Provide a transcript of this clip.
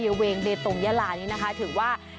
โปรดติดตามต่อไป